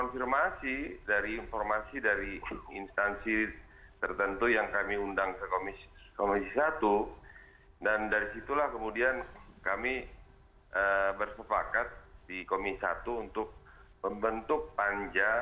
kita semua bagaimana